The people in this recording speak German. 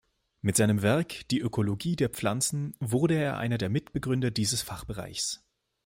Mit seinem Werk "Die Ökologie der Pflanzen" wurde er einer der Mitbegründer dieses Fachbereichs.